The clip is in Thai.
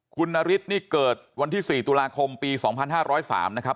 คุณนฤทธิ์นี่เกิดวันที่สี่ตุลาคมปีสองพันห้าร้อยสามนะครับ